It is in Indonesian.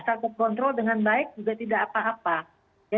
sangat terkontrol dengan baik juga tidak apa apa